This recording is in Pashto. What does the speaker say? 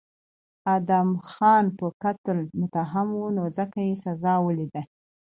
ادهم خان په قتل متهم و نو ځکه یې سزا ولیده.